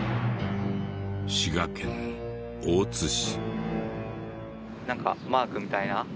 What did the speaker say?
滋賀県大津市。